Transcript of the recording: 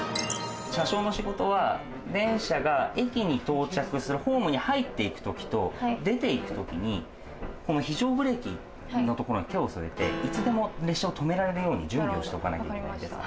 車掌の仕事は電車が駅に到着するホームに入っていく時と出ていく時に非常ブレーキのところに手を添えていつでも列車を止められるように準備しておかなきゃいけないんです。